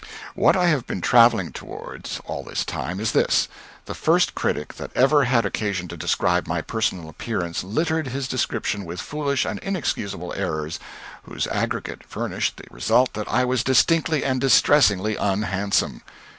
What I have been travelling toward all this time is this: the first critic that ever had occasion to describe my personal appearance littered his description with foolish and inexcusable errors whose aggregate furnished the result that I was distinctly and distressingly unhandsome.